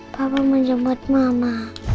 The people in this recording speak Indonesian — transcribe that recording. papa menjemput mama